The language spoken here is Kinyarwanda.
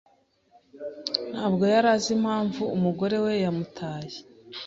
Ntabwo yari azi impamvu umugore we yamutaye.